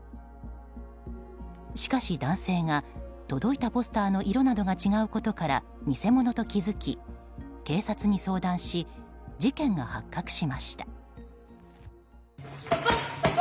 しかし男性が、届いたポスターの色などが違うことから偽物と気づき、警察に相談し事件が発覚しました。